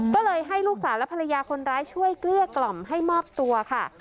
ก็เลยให้ลูกสาวและภรรยาคนร้ายช่วยเกลี้ยกล่อมให้มอบตัวค่ะ